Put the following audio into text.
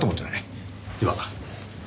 では。